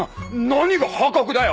何が破格だよ！